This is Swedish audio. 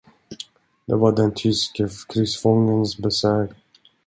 Det var den tyske krigsfångens besök.